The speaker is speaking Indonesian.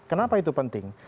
kenapa itu penting